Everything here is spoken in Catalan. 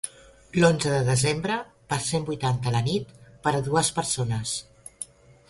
I onze de desembre, per cent vuitanta la nit, per a dues persones.